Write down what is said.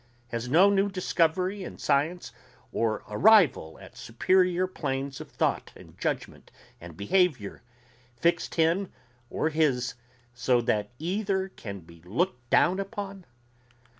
Has no new discovery in science or arrival at superior planes of thought and judgment and behavior fixed him or his so that either can be looked down upon?